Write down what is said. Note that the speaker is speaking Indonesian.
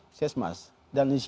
mereka juga bisa berobat di situ